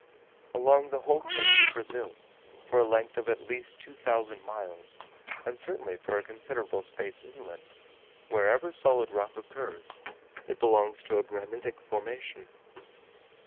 Along the whole coast of Brazil, for a length of at least 2000 miles, and certainly for a considerable space inland, wherever solid rock occurs, it belongs to a granitic formation.